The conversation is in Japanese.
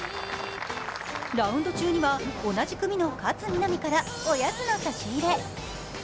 ラウンド中には同じ組の勝みなみからおやつの差し入れ。